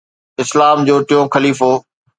اسلام جو ٽيون خليفو